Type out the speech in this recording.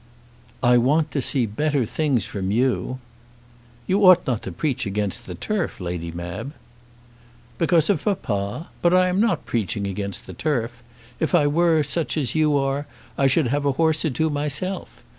"I want to see better things from you." "You ought not to preach against the turf, Lady Mab." "Because of papa? But I am not preaching against the turf. If I were such as you are I would have a horse or two myself.